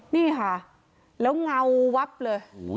นี่ค่ะแล้วเงาวับเลย